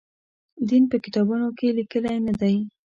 دین په کتابونو کې لیکلي نه دی.